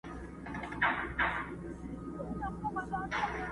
که حساب دی٫